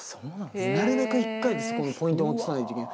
なるべく一回でそこのポイントに落とさないといけない。